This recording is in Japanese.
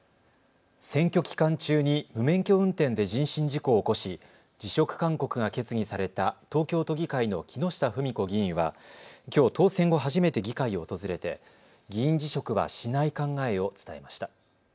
選挙期間中に無免許運転で人身事故を起こし辞職勧告が決議された東京都議会の木下富美子議員はきょう当選後、初めて議会を訪れて議員辞職はしない考えを伝えました。